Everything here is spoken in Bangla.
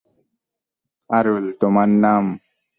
আরুল - তোমার নাম?